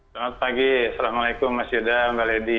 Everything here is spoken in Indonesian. selamat pagi assalamualaikum mas yudha mbak ledi